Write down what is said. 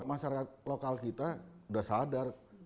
masyarakat lokal kita sudah sadar